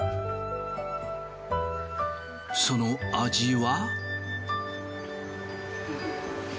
その味は？